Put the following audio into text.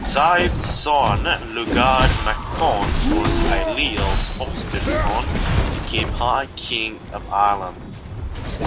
Sadb's son Lugaid mac Con, who was Ailill's foster-son, became High King of Ireland.